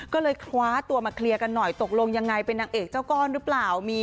ก็เลยคว้าตัวมาเคลียร์กันหน่อยตกลงยังไงเป็นนางเอกเจ้าก้อนหรือเปล่า